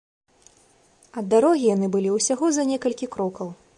Ад дарогі яны былі ўсяго за некалькі крокаў.